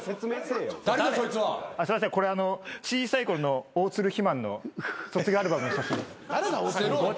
小さいころの大鶴肥満の卒業アルバムの写真。